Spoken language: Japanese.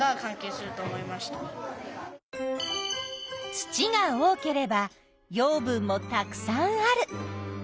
土が多ければ養分もたくさんある。